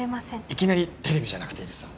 いきなりテレビじゃなくていいです